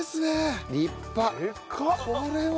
これは！